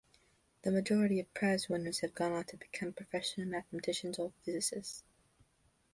The majority of prize-winners have gone on to become professional mathematicians or physicists.